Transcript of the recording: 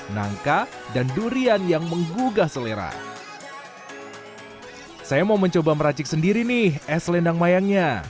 nangka dan durian yang menggugah selera saya mau mencoba meracik sendiri nih es selendang mayangnya